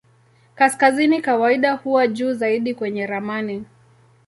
Kaskazini kawaida huwa juu zaidi kwenye ramani.